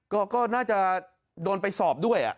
ก็น่าจะโดนไปสอบด้วย